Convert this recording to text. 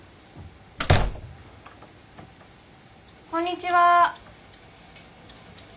こんにちは。